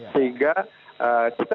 sehingga kita sudah